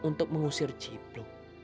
untuk mengusir cipluk